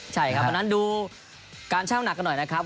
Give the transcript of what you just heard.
ใช่ครับวันนั้นดูการเช่าหนักกันหน่อยนะครับ